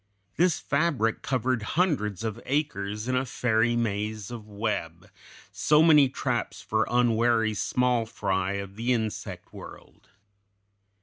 This fabric covered hundreds of acres in a fairy maze of web, so many traps for unwary small fry of the insect world.